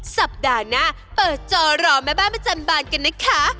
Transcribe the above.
สัปดาห์หน้าเปิดจอรอแม่บ้านประจำบานกันนะคะ